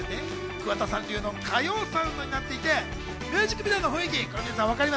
桑田さん流の歌謡サウンドになっていて、ミュージックビデオの雰囲気。